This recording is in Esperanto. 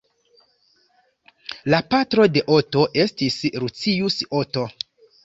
La patro de Oto estis Lucius Oto.